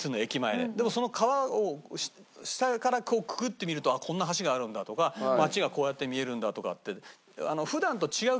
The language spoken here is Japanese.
でもその川を下からグッて見るとこんな橋があるんだとか街がこうやって見えるんだとかって。